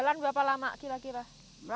jalan berapa lama kira kira